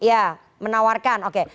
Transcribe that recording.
ya menawarkan oke